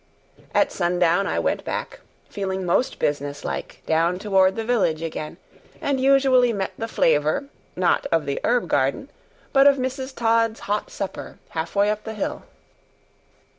At sundown I went back, feeling most businesslike, down toward the village again, and usually met the flavor, not of the herb garden, but of Mrs. Todd's hot supper, halfway up the hill.